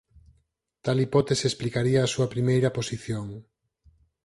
Tal hipótese explicaría a súa primeira posición.